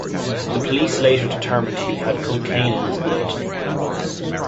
The police later determined he had cocaine in his blood.